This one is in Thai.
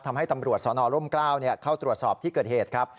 ทำให้ตำรวจสนร่มกล้าวเข้าตรวจสอบที่เกิดเหตุครับ